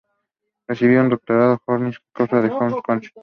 Recibió un doctorado honoris causa en el Haverford College.